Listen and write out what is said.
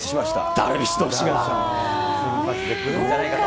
ダルビッシュ投手が先発で来るんじゃないかと。